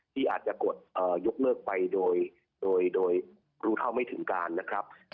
ที่อาจจะกดยกเลิกไปโดยรู้เท่าไม่ถึงการนะครับ